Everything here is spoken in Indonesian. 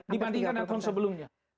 dibandingkan dengan tahun sebelumnya